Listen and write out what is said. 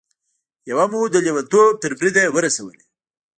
يوه مو د لېونتوب تر بريده ورسوله.